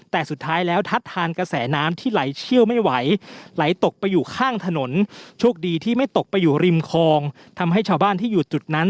ทรลิมคองทำให้ชาวบ้านที่อยู่จุดนั้น